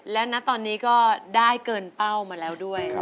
และณตอนนี้ก็ได้เกินเป้ามาแล้วด้วย